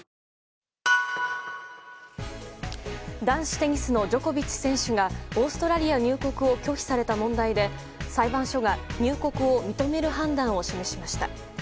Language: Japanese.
男子テニスのジョコビッチ選手がオーストラリア入国を拒否された問題で裁判所が入国を認める判断を示しました。